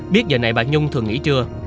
biết giờ này bà nhung thường nghỉ trưa